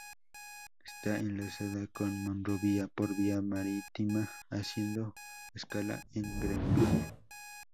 Está enlazada con Monrovia por vía marítima haciendo escala en Greenville.